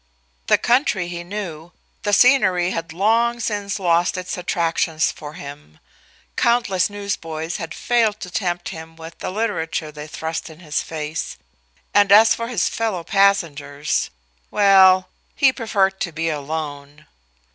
The country he knew; the scenery had long since lost its attractions for him; countless newsboys had failed to tempt him with the literature they thrust in his face, and as for his fellow passengers well, he preferred to be alone.